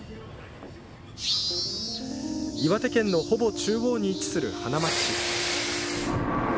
岩手県のほぼ中央に位置する花巻市。